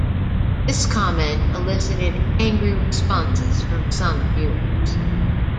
This comment elicited angry responses from some viewers.